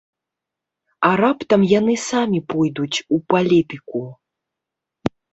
А раптам яны самі пойдуць у палітыку?